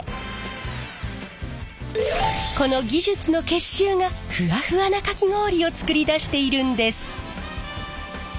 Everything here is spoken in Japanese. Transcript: この技術の結集がふわふわなかき氷を作り出しているんです。